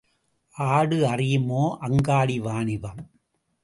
ஆடு அறியுமோ அங்காடி வாணிபம்?